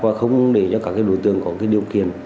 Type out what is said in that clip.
và không để cho các cái đối tượng có cái điều kiện